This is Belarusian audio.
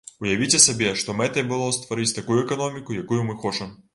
Уявіце сабе, што мэтай было стварыць такую эканоміку, якую мы хочам.